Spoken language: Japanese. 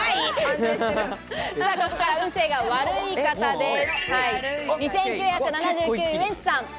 ここから運勢が悪い方です。